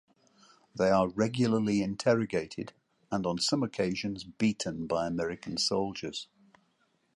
They are regularly interrogated, and on some occasions beaten by American soldiers.